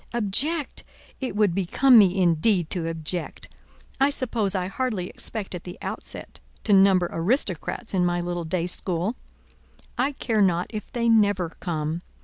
Object? It would become me indeed to object! I suppose I hardly expect at the outset to number aristocrats in my little day school; I care not if they never come.